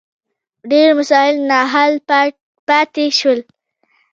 ډېر مسایل نا حل پاتې شول.